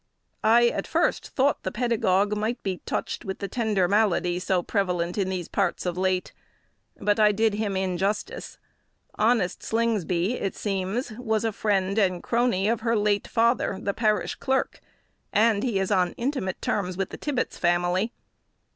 I at first thought the pedagogue might be touched with the tender malady so prevalent in these parts of late; but I did him injustice. Honest Slingsby, it seems, was a friend and crony of her late father, the parish clerk; and is on intimate terms with the Tibbets family.